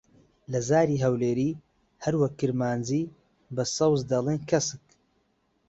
لە زاری هەولێری، هەروەک کورمانجی، بە سەوز دەڵێن کەسک.